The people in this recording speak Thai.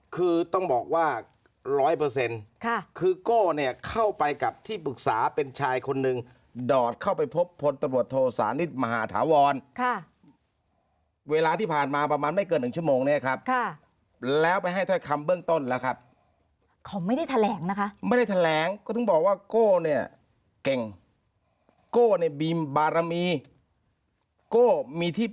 คือต้องบอกว่าร้อยเปอร์เซ็นต์คือโก้เนี่ยเข้าไปกับที่ปรึกษาเป็นชายคนหนึ่งดอดเข้าไปพบพลตำรวจโทสานิทมหาธาวรค่ะเวลาที่ผ่านมาประมาณไม่เกินหนึ่งชั่วโมงเนี่ยครับแล้วไปให้ถ้อยคำเบื้องต้นแล้วครับเขาไม่ได้แถลงนะคะไม่ได้แถลงก็ถึงบอกว่าโก้เนี่ยเก่งโก้ในบีมบารมีโก้มีที่